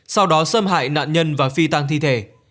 sau đó xâm hại nạn nhân và phi tăng thi thể